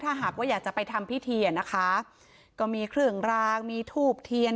ถ้าหากว่าอยากจะไปทำพิธีอ่ะนะคะก็มีเครื่องรางมีทูบเทียน